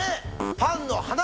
パンの鼻。